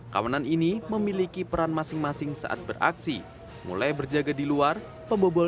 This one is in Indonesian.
kawanan ini memiliki peran masing masing saat beraksi mulai berjaga di luar pembobol